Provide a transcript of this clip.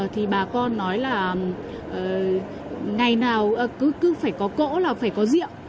thì bà con nói là ngày nào cứ phải có cỗ là phải có rượu